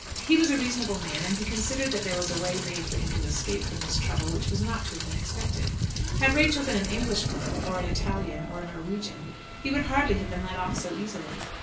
He was a reasonable man, and he considered that there was a way made for him to escape from this trouble which was not to have been expected. Had Rachel been an English girl, or an Italian, or a Norwegian, he would hardly have been let off so easily.